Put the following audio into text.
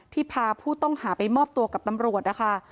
พาผู้ต้องหาไปมอบตัวกับตำรวจนะคะ